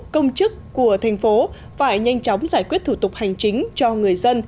công chức của thành phố phải nhanh chóng giải quyết thủ tục hành chính cho người dân